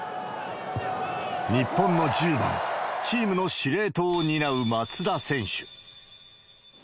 日本の１０番、チームの司令塔を担う松田選手。